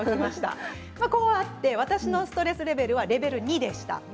私のストレスレベルはレベル２でした。